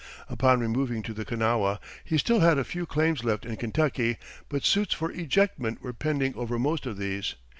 Upon removing to the Kanawha, he still had a few claims left in Kentucky, but suits for ejectment were pending over most of these.